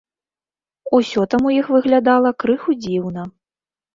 Усё там у іх выглядала крыху дзіўна.